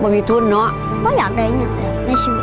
ผมไม่อยากได้อย่างนั้นอีกในชีวิต